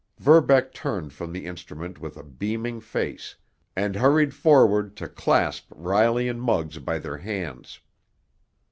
Verbeck turned from the instrument with a beaming face, and hurried forward to clasp Riley and Muggs by their hands.